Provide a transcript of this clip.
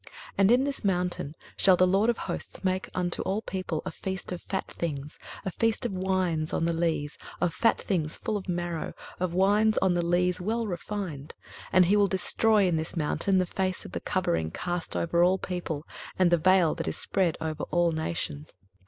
23:025:006 And in this mountain shall the LORD of hosts make unto all people a feast of fat things, a feast of wines on the lees, of fat things full of marrow, of wines on the lees well refined. 23:025:007 And he will destroy in this mountain the face of the covering cast over all people, and the vail that is spread over all nations.